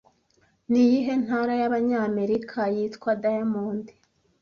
Niyihe ntara y'Abanyamerika yitwa Diamond